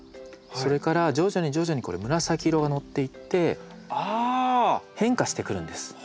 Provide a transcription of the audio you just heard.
それから徐々に徐々にこれ紫色がのっていって変化してくるんです。